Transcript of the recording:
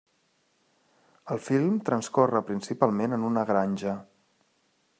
El film transcorre principalment en una granja.